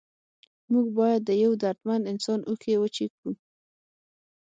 موږ باید د یو دردمند انسان اوښکې وچې کړو.